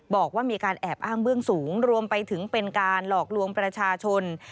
บอกว่ามีการแอบอ้างเบื้องสูงรวมไปถึงเป็นการหลอกลวงประชาชน